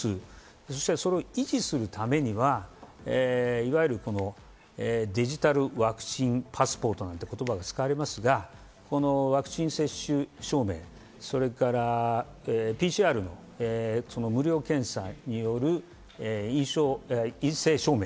そしてそれを維持するためには、いわゆるデジタルワクチンパスポートなどという言葉が使われますが、ワクチン接種証明、それからＰＣＲの無料検査による陰性証明。